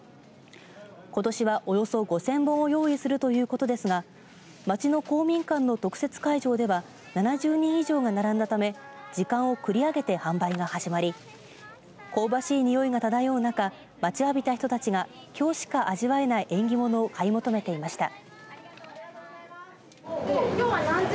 ことしは、およそ５０００本を用意するということですが町の公民館の特設会場では７０人以上が並んだため時間を繰り上げて、販売が始まり香ばしいにおいが漂う中待ちわびた人たちがきょうしか味わえない縁起物を買い求めていました。